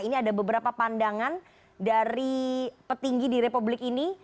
ini ada beberapa pandangan dari petinggi di republik ini